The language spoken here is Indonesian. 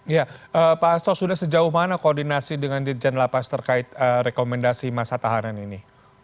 ya pak asto sudah sejauh mana koordinasi dengan dirjen lapas terkait rekomendasi masa tahanan ini